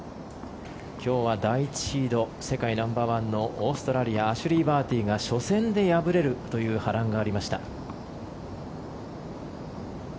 今日は第１シード世界ナンバーワンのオーストラリアアシュリー・バーティーが初戦で敗れるという波乱がありました。